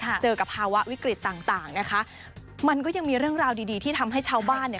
เจอกับภาวะวิกฤตต่างต่างนะคะมันก็ยังมีเรื่องราวดีดีที่ทำให้ชาวบ้านเนี่ย